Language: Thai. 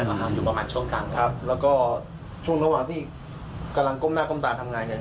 ประมาณอยู่ประมาณช่วงกลางครับแล้วก็ช่วงระหว่างที่กำลังก้มหน้าก้มตาทำงานเนี่ย